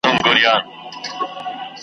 وړه مدام کږه بګړۍ پر سر د موري بنګه